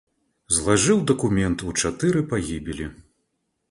Злажыў дакумент у чатыры пагібелі.